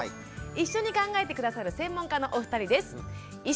一緒に考えて下さる専門家のお二人です。